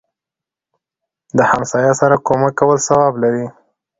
دهمسایه سره کومک کول ثواب لري